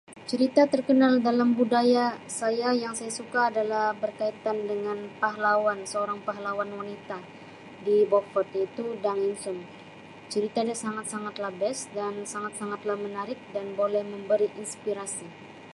Cerita terkenal dalam budaya saya yang saya suka ialah berkaitan dengan pahlawan. Seorang pahlawan wanita di Beaufort iaitu Dang Insum, ceritanya sangat-sangatlah best dan sangat-sangatlah menarik dan boleh memberi inspirasi.